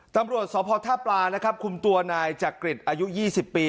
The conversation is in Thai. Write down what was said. ตำรวจสพท่าปลานะครับคุมตัวนายจักริตอายุ๒๐ปี